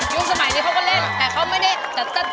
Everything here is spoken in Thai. อยู่บ่สมัยนี้เขาก็เล่น